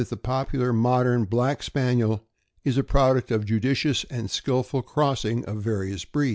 the popular modern Black Spaniel is a product of judicious and skillful crossing of various breeds.